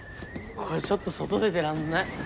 これちょっと外出てらんない。